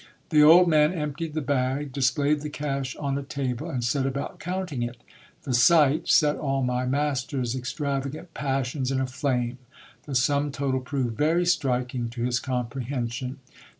The old man emptied the bag, \ displayed the cash on a table, and set about counting it The sight set all my '■ mt^ter s extravagant passions in a flame ; the sum total proved verv striking to j his comprehension.